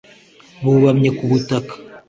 bubamye ku butaka